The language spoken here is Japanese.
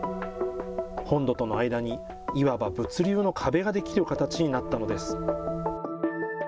本土との間に、いわば物流の壁ができる形になったのです。